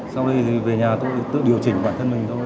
sau đây thì về nhà tôi tự điều chỉnh bản thân mình thôi